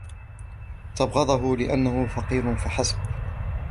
تبغضه لأنه فقير فحسب.